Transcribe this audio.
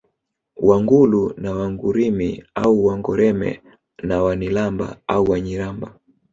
Wangulu na Wangurimi au Wangoreme na Wanilamba au Wanyiramba